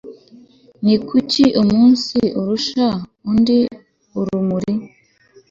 ni kuki umunsi urusha undi urumuri